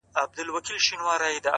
• فتحه زما ده, فخر زما دی, جشن زما دی,